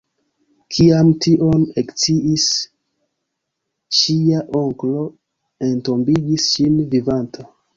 Kiam tion eksciis ŝia onklo entombigis ŝin vivanta.